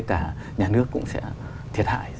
cả nhà nước cũng sẽ thiệt hại